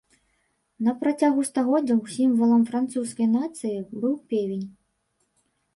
На працягу стагоддзяў сімвалам французскай нацыі быў певень.